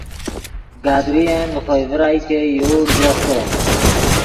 گدرین ڤے خوئے ڤرائے ګئے یوڑ جفتو